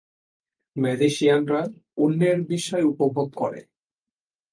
ম্যাজিশিয়ানরা অন্যের বিস্ময় উপভোগ করে।